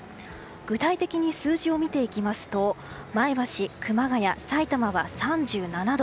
具体的に数字を見ていきますと前橋、熊谷、さいたまは３７度。